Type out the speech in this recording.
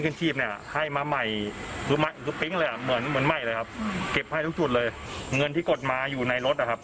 เดี๋ยวฟังเสียงเจ้าของอู๋เขาหน่อยนะครับ